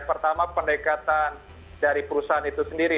pertama pendekatan dari perusahaan itu sendiri